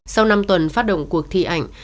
sau năm tuần phát động cuộc thi ảnh